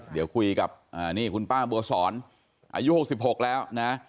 เดี๋ยวคุยกับนี่คุณป้าบัวสอนอายุ๖๖แล้วนะ